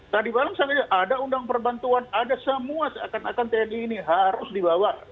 tadi malam saya ada undang perbantuan ada semua seakan akan tni ini harus dibawa